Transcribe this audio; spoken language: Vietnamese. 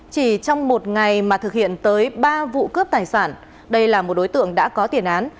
chỉ trong một ngày mà thực hiện tới ba vụ cướp tài sản đây là một đối tượng đã có tiền án